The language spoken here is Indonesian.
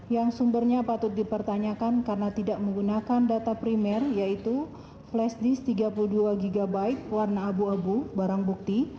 yang sumbernya patut dipertanyakan karena tidak menggunakan data primer yaitu flash disk tiga puluh dua gb warna abu abu barang bukti